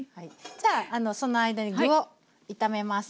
じゃその間に具を炒めます。